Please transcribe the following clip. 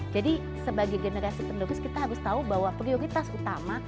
jadi sebagai generasi terterus kita harus tahu bahwa prioritas utama